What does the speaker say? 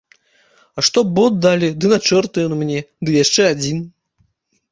А што бот далі, дык на чорта ён мне, ды яшчэ адзін!